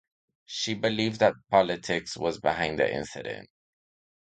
She believed that politics was behind the incident.